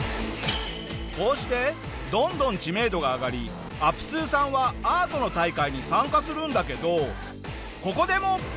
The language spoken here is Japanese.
こうしてどんどん知名度が上がりアプスーさんはアートの大会に参加するんだけどここでも。